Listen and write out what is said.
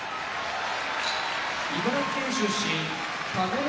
茨城県出身田子ノ